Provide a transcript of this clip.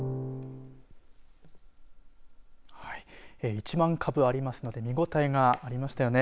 １万株ありますので見応えがありましたよね。